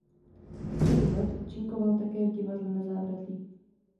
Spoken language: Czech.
Řadu let účinkoval také v divadle Na zábradlí.